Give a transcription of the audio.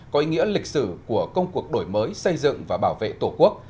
có ý nghĩa lịch sử của công cuộc đổi mới xây dựng và bảo vệ tổ quốc